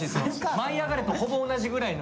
「舞いあがれ！」とほぼ同じぐらいの。